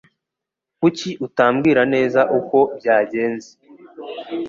Kuki utambwira neza uko byagenze?